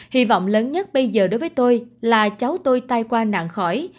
hy vọng lớn nhất bây giờ đối với tôi là cháu tôi tai qua nạn khỏi